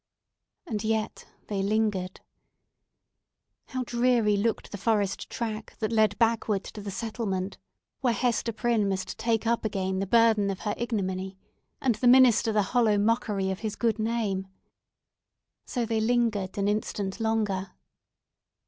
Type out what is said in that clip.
And yet they lingered. How dreary looked the forest track that led backward to the settlement, where Hester Prynne must take up again the burden of her ignominy and the minister the hollow mockery of his good name! So they lingered an instant longer.